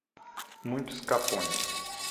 Muitos Capões